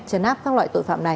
chấn áp các loại tội phạm này